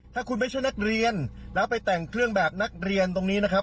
ถ้าคุณไม่ใช่นักเรียนแล้วไปแต่งเครื่องแบบนักเรียนตรงนี้นะครับ